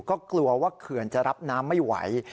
ก็กลัวว่าเขื่อนจะรับน้ำไม่ไหว